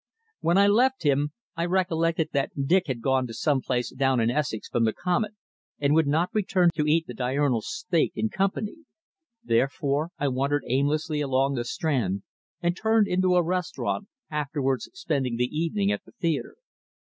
When I left him I recollected that Dick had gone to some place down in Essex for the Comet, and would not return to eat the diurnal steak in company. Therefore I wandered aimlessly along the Strand, and turned into a restaurant, afterwards spending the evening at the theatre.